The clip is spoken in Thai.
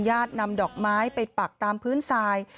นำดอกไม้ไปปักตามพื้นทราย